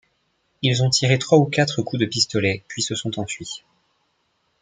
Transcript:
Ils ont tiré trois ou quatre coups de pistolet puis se sont enfuis.